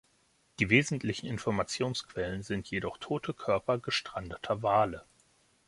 Die wesentlichen Informationsquellen sind jedoch tote Körper gestrandeter Wale.